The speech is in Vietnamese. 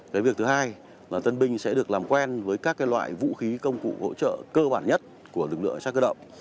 cái việc thứ hai là tân binh sẽ được làm quen với các loại vũ khí công cụ hỗ trợ cơ bản nhất của lực lượng cảnh sát cơ động